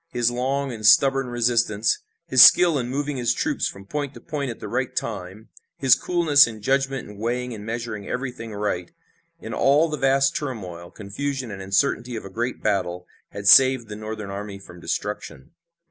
His long and stubborn resistance, his skill in moving his troops from point to point at the right time, his coolness and judgment in weighing and measuring everything right, in all the vast turmoil, confusion and uncertainty of a great battle, had saved the Northern army from destruction.